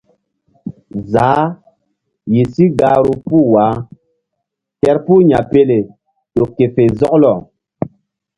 Zaah yih si gahru puh wah kerpuh Yapele ƴo ke fe zɔklɔ.